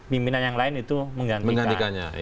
pimpinan yang lain itu menggantikan